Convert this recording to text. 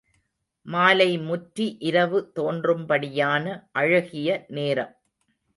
மாலை முற்றி இரவு தோன்றும்படியான அழகிய நேரம்.